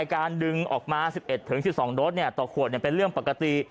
การดึงออกมา๑๑๑๑๒โดสต่อขวดเป็นเรื่องปกติ